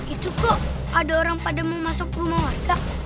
itu kok ada orang pada mau masuk rumah warga